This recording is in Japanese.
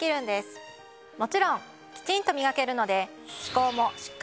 もちろんきちんとみがけるので。